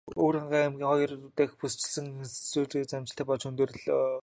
Өвөрхангай аймгийн хоёр дахь бүсчилсэн хэлэлцүүлэг амжилттай болж өндөрлөлөө.